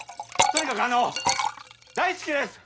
とにかくあの大好きです！